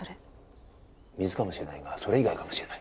水かもしれないがそれ以外かもしれない。